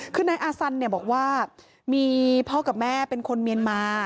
คือนายอาซันบอกว่ามีพ่อกับแม่เป็นคนเมียนมา